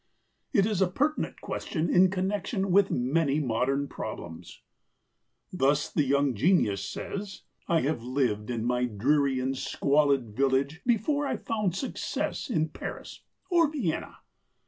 It is a pertinent question in connection with many modern problems. Thus the young genius says, "I have lived in my dreary and squalid village before I found success in Paris or Vienna."